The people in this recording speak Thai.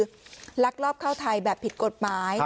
สี่คนในข้อหาคือรักรอบเข้าไทยแบบผิดกฎหมาย